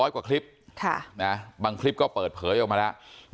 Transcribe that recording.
กว่าคลิปบางคลิปก็เปิดเผยออกมาแล้ว